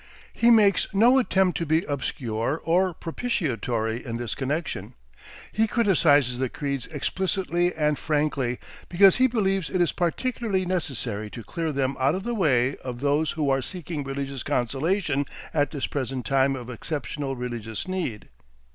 He makes no attempt to be obscure or propitiatory in this connection. He criticises the creeds explicitly and frankly, because he believes it is particularly necessary to clear them out of the way of those who are seeking religious consolation at this present time of exceptional religious need.